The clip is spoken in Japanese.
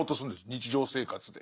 日常生活で。